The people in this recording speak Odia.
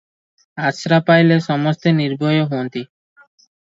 ଆଶ୍ରା ପାଇଲେ ସମସ୍ତେ ନିର୍ଭୟ ହୁଅନ୍ତି ।